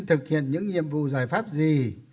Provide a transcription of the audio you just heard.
thực hiện những nhiệm vụ giải pháp gì